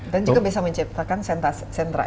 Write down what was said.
dan juga bisa menciptakan sentra ekonomi tadi